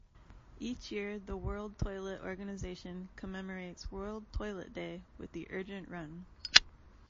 Each year, the World Toilet Organization commemorates World Toilet Day with the "Urgent Run".